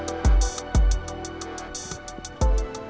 tujuan pak remon kesini